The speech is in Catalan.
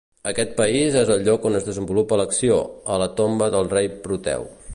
Aquest país és el lloc on es desenvolupa l'acció, a la tomba del rei Proteu.